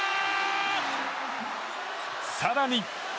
更に。